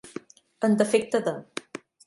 En defecte de.